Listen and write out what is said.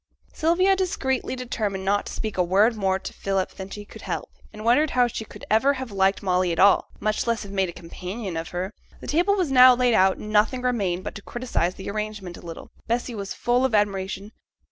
Sylvia secretly determined not to speak a word more to Philip than she could help, and wondered how she could ever have liked Molly at all, much less have made a companion of her. The table was now laid out, and nothing remained but to criticize the arrangement a little. Bessy was full of admiration.